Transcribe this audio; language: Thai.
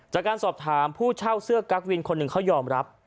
จากการสอบถามผู้เช่าเสื้อกั๊กวินคนหนึ่งเขายอมรับ